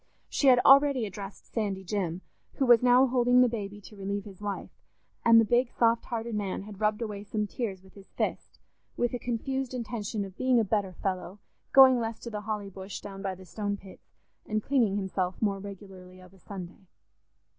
She had already addressed Sandy Jim, who was now holding the baby to relieve his wife, and the big soft hearted man had rubbed away some tears with his fist, with a confused intention of being a better fellow, going less to the Holly Bush down by the Stone pits, and cleaning himself more regularly of a Sunday.